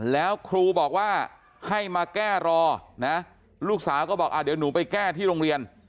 แล้วครูบอกว่าให้มาแก้รอนะลูกสาวก็บอกเดี๋ยวหนูไปแก้ที่โรงเรียน